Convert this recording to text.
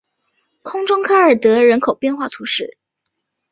空中科尔德人口变化图示